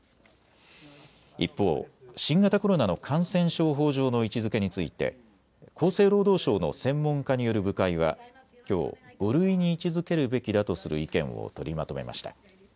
一方、新型コロナの感染症法上の位置づけについて厚生労働省の専門家による部会はきょう５類に位置づけるべきだとする意見を取りまとめました。